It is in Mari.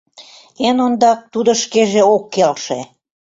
Эн ондак, тудо шкеже ок келше.